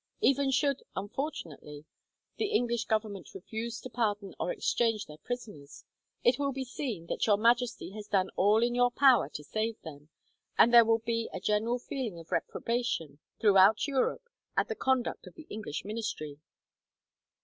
Even should, unfortunately, the English Government refuse to pardon or exchange their prisoners, it will be seen that Your Majesty has done all in your power to save them, and there will be a general feeling of reprobation, throughout Europe, at the conduct of the English Ministry."